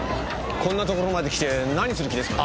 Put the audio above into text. こんなところまで来て何する気ですかね？